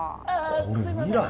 これ未来？